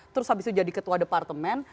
terus habis itu jadi ketua departemen